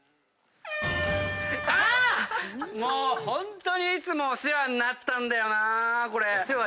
ホントにいつもお世話になったんだよなこれ。